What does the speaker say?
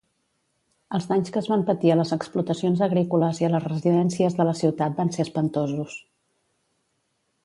Els danys que es van patir a les explotacions agrícoles i a les residències de la ciutat van ser espantosos.